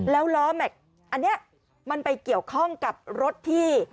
แล้วล้อแม็กซ์อันนี้มันไปเกี่ยวข้องกับรถที่